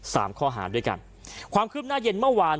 สามข้อหาด้วยกันความคืบหน้าเย็นเมื่อวาน